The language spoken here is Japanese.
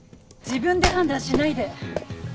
自分で判断しないで